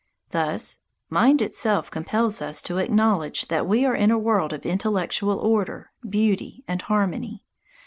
Thus mind itself compels us to acknowledge that we are in a world of intellectual order, beauty, and harmony.